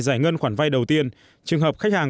giải ngân khoản vay đầu tiên trường hợp khách hàng